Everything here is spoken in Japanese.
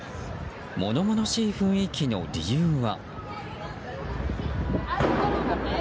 物々しい雰囲気の理由は。